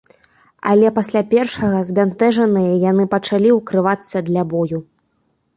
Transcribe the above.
Але пасля першага збянтэжаныя яны пачалі ўкрывацца для бою.